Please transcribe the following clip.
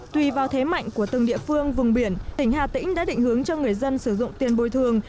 tùy vào thế mạnh của từng địa phương vùng biển tỉnh hà tĩnh đã định hướng cho người dân sử dụng tiền bồi thường